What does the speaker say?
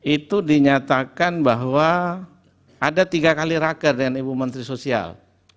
itu dinyatakan bahwa ada tiga kali raker dengan ibu menteri sosial